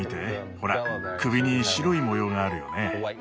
ほら首に白い模様があるよね。